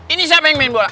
ini siapa yang main bola